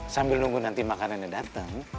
sambil nunggu nanti makanannya datang